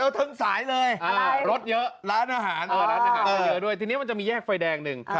ตรงนั้นเยอะรถเยอะร้านอาหารเยอะด้วยทีนี้มันจะมีแยกไฟแดงหนึ่ง